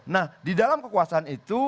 nah di dalam kekuasaan itu